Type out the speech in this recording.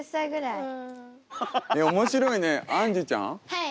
はい。